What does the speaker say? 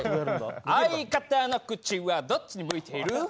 「相方の口はどっちに向いている」